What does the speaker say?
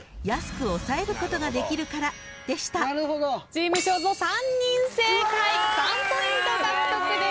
チーム正蔵３人正解３ポイント獲得です。